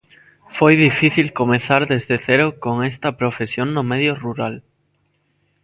Foi difícil comezar desde cero con esta profesión no medio rural?